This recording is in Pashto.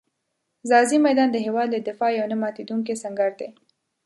ځاځي میدان د هېواد له دفاع یو نه ماتېدونکی سنګر دی.